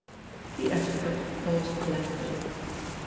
The advocate paused blankly.